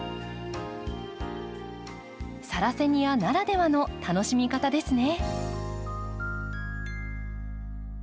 サラセニアならではの楽しみ方ですね。